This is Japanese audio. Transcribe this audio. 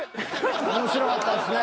面白かったですね。